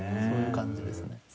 そういう感じですね。